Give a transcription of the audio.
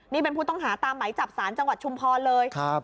นี่เป็นผู้ต้องหาตามไหมจับสารจังหวัดชุมพรเลย